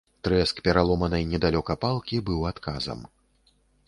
Трэск пераломанай недалёка палкі быў адказам.